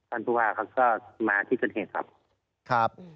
ท่านทุ่าครับก็มาที่เกิดเหตุครับ